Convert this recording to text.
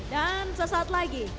dan sesaat lagi